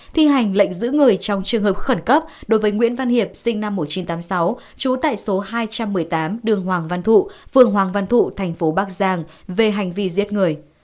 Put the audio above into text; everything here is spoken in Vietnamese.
thi hành lệnh giữ người trong trường hợp khẩn cấp đối với nguyễn văn hiệp sinh năm một nghìn chín trăm tám mươi sáu trú tại số hai trăm một mươi tám đường hoàng văn thụ phường hoàng văn thụ thành phố bắc giang về hành vi giết người